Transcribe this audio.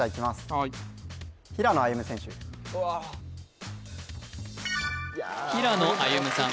はいうわ平野歩夢さん